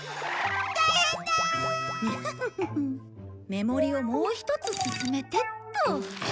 目盛りをもう１つ進めてっと。